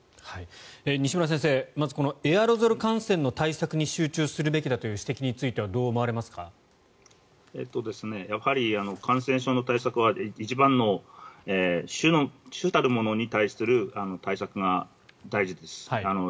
西村先生このエアロゾル感染の対策に集中すべきだという指摘には感染症の対策は一番の主たるものに対する対策が大事です。